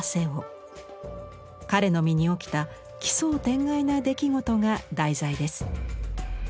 彼の身に起きた奇想天外な出来事が題材です。